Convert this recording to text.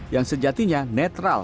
yang sejatinya netral